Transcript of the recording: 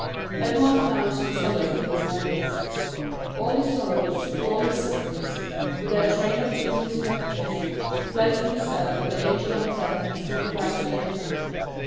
Edmond found some solace in these ideas. All his sorrows, all his sufferings, with their train of gloomy spectres, fled from his cell when the angel of death seemed about to enter.